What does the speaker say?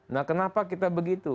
nah kenapa kita begitu